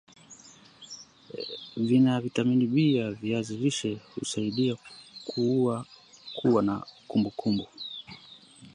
Vina vitamini B ya viazi lishe husaidia kuwa na kumbukumbu